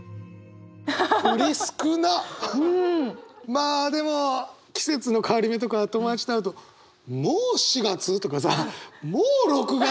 まあでも季節の変わり目とか友達と会うと「もう４月？」とかさ「もう６月？」